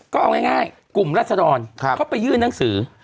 ก็เอาง่ายกลุ่มรัศดรเขาไปยื่นหนังสือ